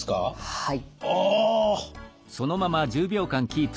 はい。